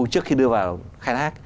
trước khi đưa vào khai thác